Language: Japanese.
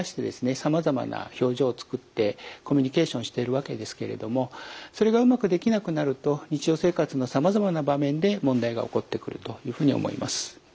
さまざまな表情をつくってコミュニケーションをしているわけですけれどもそれがうまくできなくなると日常生活のさまざまな場面で問題が起こってくるというふうに思います。